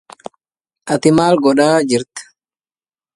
يا بكر ما فعلت بك الأرطال